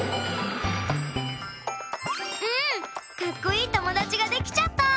うんかっこいいともだちができちゃった！